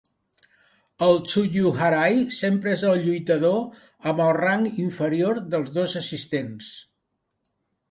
El "tsuyuharai" sempre és el lluitador amb el rang inferior dels dos assistents.